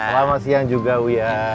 selamat siang juga wia